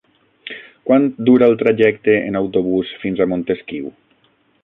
Quant dura el trajecte en autobús fins a Montesquiu?